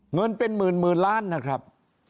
เงินเป็นหมื่นล้านนะครับ